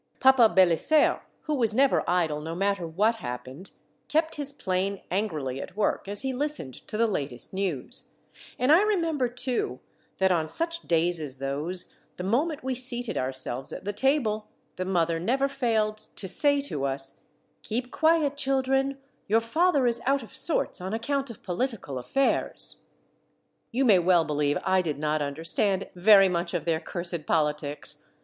Papa Belisaire, who was never idle no matter what happened, kept his plane angrily at work as he listened to the latest news, and I remember, too, that on such days as those the moment we seated ourselves at the table the mother never failed to say to us, —Keep quiet, children, your father is out of sorts on account of political affairs." You may well believe I did not understand very much of their cursed politics.